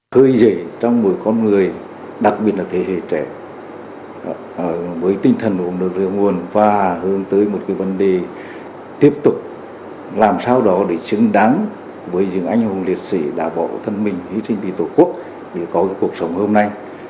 thời dậy trong mỗi con người đặc biệt là thế hệ trẻ với tinh thần hùng được rửa nguồn và hướng tới một cái vấn đề tiếp tục làm sao đó để chứng đáng với những anh hùng liệt sĩ đã bỏ thân mình hi sinh vì tổ quốc để có cuộc sống hôm nay